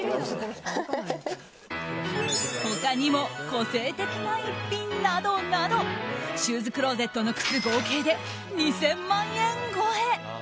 他にも個性的な一品などなどシューズクローゼットの靴合計で２０００万円超え。